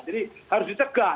jadi harus dicegah